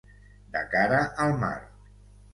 De cara al mar.